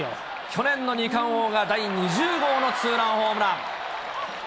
去年の二冠王が第２０号のツーランホームラン。